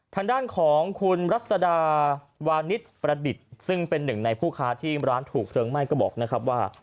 ทางด้านของคุณรัศดาวานิสประดิษฐ์ซึ่งเป็นหนึ่งในผู้ค้าที่ร้านถูกเพลิงไหม้ก็บอกนะครับว่า